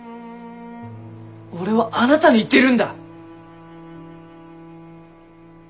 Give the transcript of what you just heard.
俺はあなたに言ってるんだ！